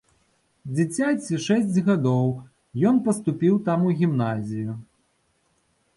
Дзіцяці шэсць гадоў, ён паступіў там у гімназію.